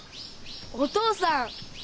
お父さん。